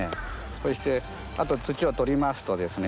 そしてあと土を取りますとですね